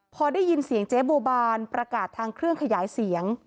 พอได้ยินเสียงเจ๊บัวบานประกาศทางเครื่องขยายเสียง